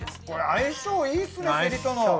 これ相性いいっすねせりとの。